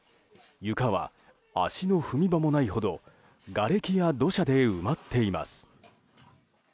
床は足の踏み場もないほどがれきや土砂で埋まっています。